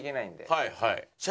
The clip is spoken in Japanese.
はいはい。